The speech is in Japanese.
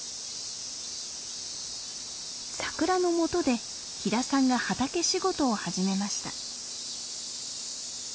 サクラの下で飛田さんが畑仕事を始めました。